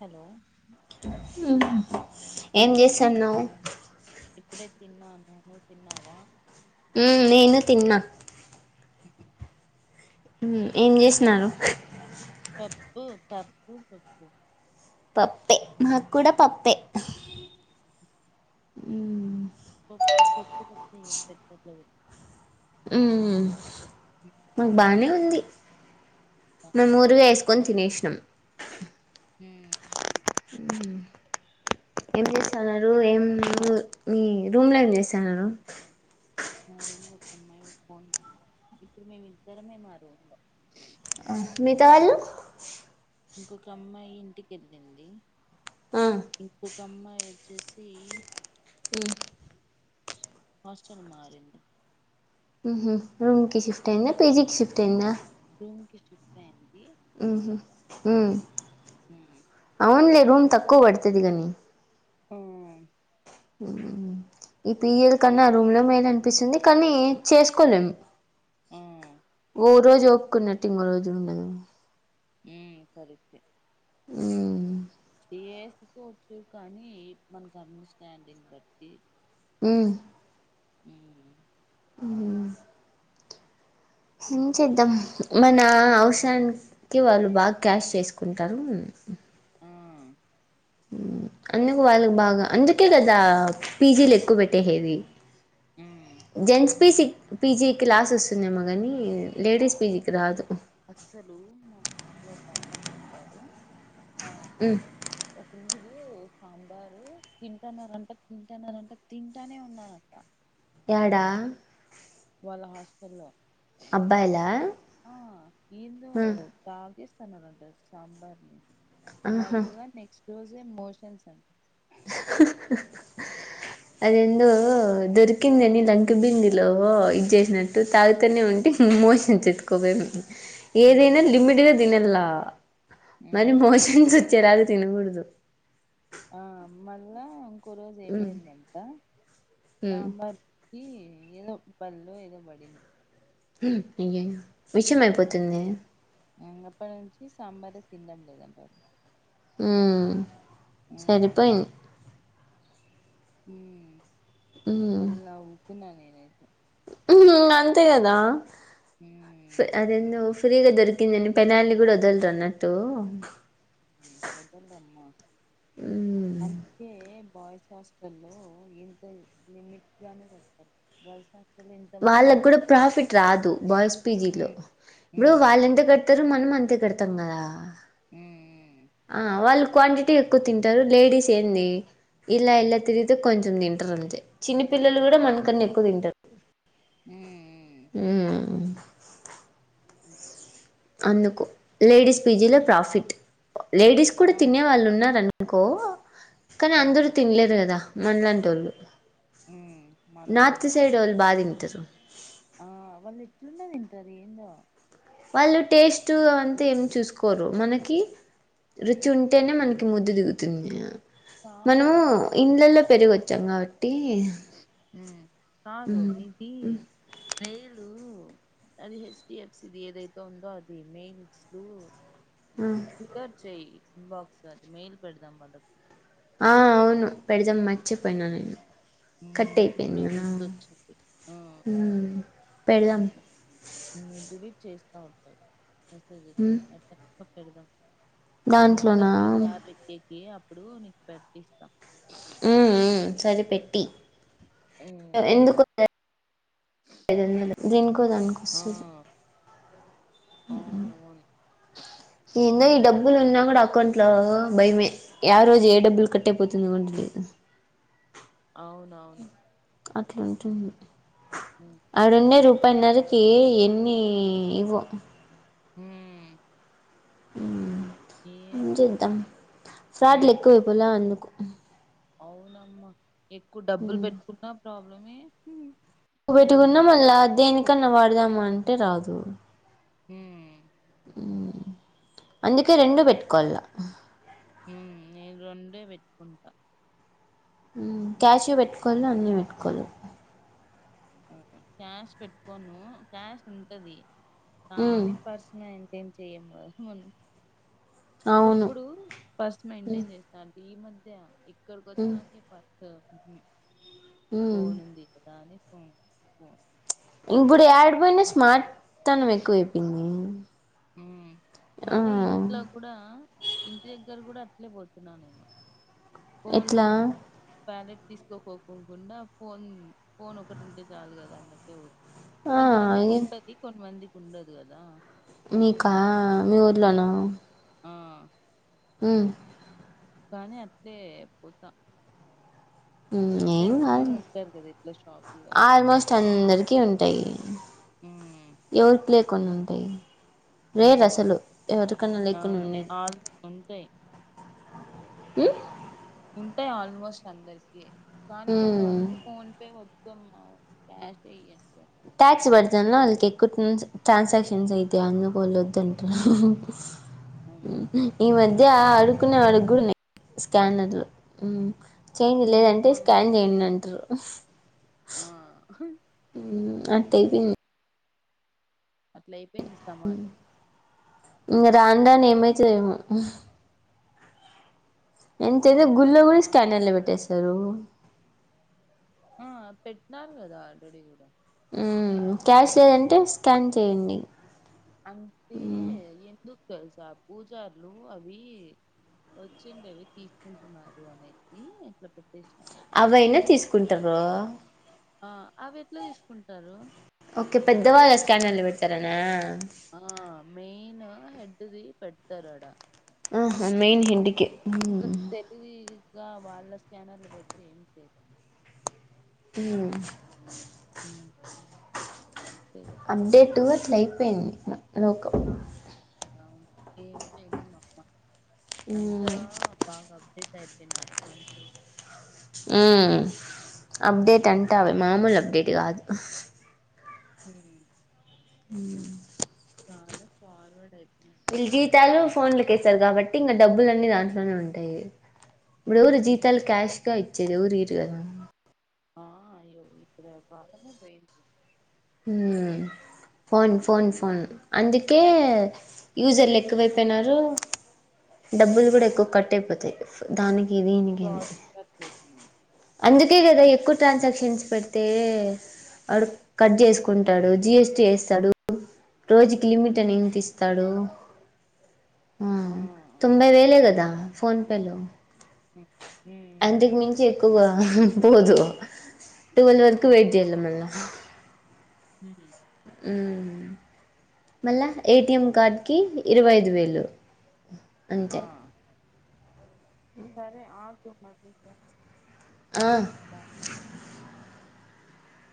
Hello ఊహు ఏం జేసన్నావ్ ఇప్పుడే తిన్నా నువ్వు తిన్నావా ఉ‌మ్ నేను తిన్నా ఉమ్ ఏం చేసినారు పు పప్పు చెప్పు పప్పే మాకు కూడా పప్పే ఊమ్ పప్పు పప్పు తప్ప ఏం పెట్టట్లేదు ఊమ్ ఇ మాకు బానే ఉంది మేం బానే ఉంది ఊరగాయ వేసుకొని తినేసినాం ఊమ్ ఏం జేసన్నారు ఏం మీ మీ రూమ్ లో ఏం జేసన్నారు మా రూమ్ లో ఒకమ్మాయి పోయింది ఇప్పుడు మేమిద్దరమే మా రూమ్ లో ఆ మీత ఆళ్ళు ఇంకొక అమ్మాయి ఇంటికి ఎళ్ళింది ఆ ఇంకొక్ కమ్మాయి వచ్చేసి ఉమ్ హాస్టల్ మారింది ఊహు రూమ్ కి షిఫ్ట్ అయిందా పిజీకి షిఫ్ట్ అయింద రూమ్ కి షిఫ్ట్ అయింది అవునులే రూమ్ తక్కువ పడుతుది కానీ ఆ ఈ పియల్ కన్నా రూమ్ లో మేద అనిపిస్తుంది కానీ చేసుకోలేము ఆ ఉమ్ రోజు ఒకున్నటింగ్ రోజు ఉండదు సరి స మ్మ్ చేసుకోవచ్చు కానీ మనకు అండర్స్టాండింగ్ బట్టి ఉమ్ ఉమ్ ఏం చేద్దాం మన అవసరానికి వాళ్ళు బాగా క్యాష్ చేసుకుంటారు ఆ అందుకు వాళ్ళకు బాగా అందుకే కదా పీజీలు ఎక్కువ పెట్టేసేది ఉమ్ జెంట్స్ పిసి పీజీ లాస్ వస్తుందేమో కానీ లేడీస్ పీజీకి రాదు అస్సలు నా క్యాబ్ లో ఒక అబ్బాయి చెప్తడు ఆ ఉమ్ ఒకప్పు సాంబారు తింటన్నారు అంట తింటన్నారు అంట తింటానే ఉన్నానంట ఎడా వాళ్ళ హాస్టల్ లో అబ్బాయిల నంట సాంబార్ని ఆహా మళ్ళా నెక్స్ ట్ రోజే మోషన్స్ అంట అదేందో దొరికిందని లంకిబిందిలో ఇది చేసినట్టు తాగుతూనే ఉంటే మోషన్స్ ఎత్తుకోవేమి. ఏదైనా ఉమ్, లిమిట్దే తినల్లా మరి ఉమ్. మోషన్స్ వ చ్చేలాగ తినకుడుదు ఆ మల్లా కొరోజు ఉమ్ ఏమైందంట ఉమ్ సాంబార్కి ఏదో బల్లో ఏదో బడింది హ్మ్ అయ్యయో విషం అయిపోతుంది ఇంగ అప్పట్నుంచి సాంబారే తిండం లేదంటా హుమ్ సరిపోయిను హ్మ్ బల్ నవు తిన్నా నేనైతే హు ఉమ్, అంతే గదా. సె ఉమ్ అదేందొ ఫ్రీగా దొరికిందని పినాయిల్ గుడ వదల్దదు అన్నట్టు. వాదల్దమ్మ ఉమ్ అందుకే బాయ్స్ హాస్టల్లో ఇంతె లిమిట్ గానె పెడతరు, గర్ల్స్ హాస్టల్ ఎంత వాళ్ళగ్గుడ ఎంతైనా ప్రాఫిట్ రాదు, బాయ్స్ పీజీ లో ఉమ్ ఇప్పుడు ఉమ్ వాళ్ళు ఎంత కడతరొ మనం అంతే కడత్ తంగదా ఊ ఉ ఆ వాళ్ళు క్వాంటిటీ ఎక్కువ తింటరు, లేడీస్ ఏంది ఇలా ఇలా తిరిగితే కొంచెం తింటరు అంతే, చిన్న పిల్లలు కూడ మనకన్న ఎక్కువ తింటరు. ఉమ్ ఉమ్, ఉమ్ హుమ్ అందుకు లేడీస్ పీజీలొ ప్రాఫిట్. లేడీస్ కూడ ఆ తినే వాళ్ళు ఉన్నారన్ నుకో కనీ ఆ అందరు తినలేరు గదా మనలాంటోళ్లు. ఉమ్ మనము నార్త్ సైడ్ వొళ్ళు బా తింటరు. ఆ వాళ్ళు ఎట్లున్న తింటరు ఏందో? వాళ్ళు టేస్టు అంత ఏం చూసుకోరు మనకి? ఆ, రుచి ఉంటేనె మనకి ముద్ద దిగుతుంది, కాదు మనము ఇండ్లలొ పెరుగొచ్చాం గాబట్ ఉమ్. కాదు నీది మెయిలు అది హెచ్ డి ఎఫ్ సి ది ఏదైతె ఉందో అది, మెయిల్స్ కు రికార్డ్ చేయ్ ఇన్బాక్స్ అది మెయిల్ పెడదాం వాళ్ళకు. ఆ అవును పెడదాం, మార్చేపోయిన నేను. ఉమ్ కట్ నాకు అయిపోయింది ఇప్పుడే కదా గుర్తొచ్చింది, ఆ పెడదాం నువ్ డిలీట్ చేస్తావ్. వస్తే చేస్తా ఎఫ్ ఎఫ్ [unintelligible] నేను ఒస్త దాంట్లోనా చడు క్యాబ్ ఎక్కి. ఏ అప్పుడు నీకు పెట్టిస్తా. ఉ ఉ సరే పెట్టి. ఆ ఎందుకొ ఐదొందలు దీనికో దానికొ ఆ వస్తది. ఉమ్ అవునవును ఇందో ఈ మ్మ్ డబ్బులు ఉన్నా కూడా అకౌం ట్లో భయమే యా రోజు ఏ డబ్బులు కట్టయిపోతుంది కొంట అవును అవును అట్లూటుంది అరణ్య రూప ముప్పైన్నరకి ఎన్ని ఇవో హ్మ్ ఉ ఏంచేద్దాం ఫ్రాడ్లు ఎకువైపోలా అందుకు అవునమ్మ ఎక్ డబ్బులు పెట్టుకున్నా ప్రాబ్ హ్మ నువ్వు పెట్టుకున్న మళ్ళా దేనికన్న వాడ అడుదాము అంటే రాదు హ్మ అందుకే రెండూ పెట్టుకోవాల ఉమ్ నేను రెండే పెట్టుకుంటా క్యాషూ పెట్టుకోవాలి అన్నీ పెట్టుకోవాల క్యాష్ పెట్టుకోను క్యాష్ ఉంటది ఆ ఉమ్ నీ పర్సనే ఏం చెయమ్ కదా మనం అవును ఒకప్పుడు పర్స్ ఉమ్ మెయింటైన్ చేస్తాను ఈ మధ్య ఇక్కడ ఉమ్ కొచ్చినాక ఈ పర్స్ ఉమ్ ఫోను ఉంది కదా అని అ ఇప్పుడు యాడ పోయిన స్మార్ట్ తన ఎక్కువైపోయింది ఉ ఆ మళ్ళీ ఇంట్లో కూడా ఇంటి దగ్గర కూడా అట్లే పోతున్నా నేను ఫోన్ ఎట్లా వాలెట్ తీసుకోకుండా ఫోన్ ఫోన్ ఒకటి ఉంటే చాలు కదా అన్నట్టే పోతుంది ఆ కొంచంతమంది ఏ కుపతి కొన్ని వంది ఉండదు గదా మీకా మీ ఊర్లోనా ఆ ఉమ్ కానీ అట్టే పోతా ఉమ్ ఏం కాదు తెలిసినోళ్ళు ఉంటారు కదా ఇట్లా షాపుల్లో ఆల్మోస్ట్ అందరికి ఉం తాయ్ హ్మ్ ఎవరు ప్లే కొన్నారు తై రేర్ హ్మ్ అసలు ఎవరికన్నా లేకుని అవును ఉండేది ఆల్ ఉంటాయి ఉమ్ ఉంటాయ్ ఆల్మోస్ట్ అందరికి కానీ కొంత ఉమ్ మంది ఫోన్ పే [unintelligible] ట్యాక్స్ పడతనా అలా కేక్కు ట్రాన్సాక్షన్స్ ఐతాన్ పోలోద్దంటారు హ్మ్ అవును ఈ మధ్ ఆ అడుకునే అడుగుడున్నయ్ స్కానర్తో చేంజ్ హ్మ్ లేదంటే స్కాన్ చేయండి అంట్రు ఉఫ్ ఉమ్ ఉహు అట్ట ఉమ్ టే అయిపోయింది అట్ల అయిపోయింది సమాజం దాని దానే ఏమై చేయము ఎంతైతే ఇంకా గుల్లో కూడా ఫాస్ట్ స్కానర్ లో ఫార్వర్డ్ పెట్టేస్తారు ఆ పెట్టినారు కదా ఆల్రెడీ కూడా ఉమ్ క్యాష్ లేదంటే స్కాన్ చేయండి అంటే ఎందుకు తెలుసా పూజార్లు అవి వచ్చిండవి తీసుకుంటున్నారు అనేసి ఇట్లా పె అవయినా తీసుకుంటరు ఆ అవి ఎట్లా తీసుకుంటరు ఓకే పెద్దవాళ్ళ స్క్యానర్లు పెడతారానా ఆ మెయిన్ హెడ్డ్ ది పెడతారాడా ఆ మెయిన్ హెడ్ కే ఇంకా తెలివి ఇకా వాళ్ళ స్కానర్లు పెడితే ఏమి లేదు మ్మ్ మ్మ్ [inaudible] అప్డేటు అట్లై పోయింది నోకు ఆ! అవును ఏం చెయ్యలేం అప్ప అంతా మ్మ్. బాగ అప్డేట్ అయిపొయ్నారు మనుషులు ఆ అప్డేటంటే అవి మామూలప్డేట్ కాదు హ్మ్మ్ హ్మ్మ్ [unintelligible] చాలా ఫార్వర్డ్ అయ్ విల్జీతాలు ఫోన్లకేస్తారు కాబ ట్టింక డబ్బులన్నీ దాంట్లోనే ఉంటాయి. ఇపుడు జీతాల్ క్యాష్ గా ఇ చ్చేది ఎవరీరుగద ఆ అయ్యో ఇప్పుడా కాలమే పోయింది హ్మ్మ్ ఫోన్స్ ఫోన్ ఫోన్ అందుకే యూజర్లెక్కువైపొయినారు, డబ్బుల్ గూడా ఎక్కువ కట్ అయిపోతాయ్ దాని ఫోజతు [unintelligible] అందుకే కదా ఎక్కువ ట్రాన్సాక్షన్స్ పెడితే అడు కట్ జేసుకుంటాడు జిఎస్ చేస్తాడు రోజుకి లిమిట్ అని ఆ ఇస్తాడు ఆ తొంబై వేలే గదా ఫోన్పెలో [inaudible] అంతకు మించి ఎక్కువగా పోదు టువల్ వరకు వెయిట్ హ్మ్. జెయల్ల మళ్ళ హ్మ్. మ్మ్ మళ్ళ ఏటిఎం కార్డ్ కి ఇరవై ఐదు వేలు ఆ అంతే సరే ఆ గు మళ్ళి జేస్ ఆ....